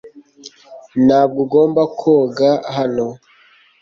Ntabwo ugomba koga hano .